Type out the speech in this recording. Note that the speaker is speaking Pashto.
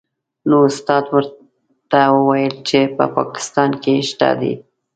نو استاد ورته وویل چې په پاکستان کې شته دې.